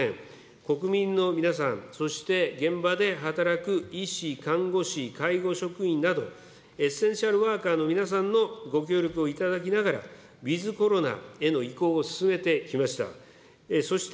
国民の皆さん、そして現場で働く医師、看護師、介護職員など、エッセンシャルワーカーの皆さんのご協力をいただきながら、ウィズコロナへの移行を進めてきました。